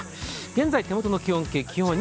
現在手元の気温計、２６度。